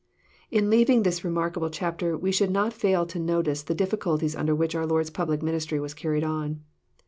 In leaving this remarkable chapter, we should not fall to no tice the difficulties under which our Lord's public ministry was carried on.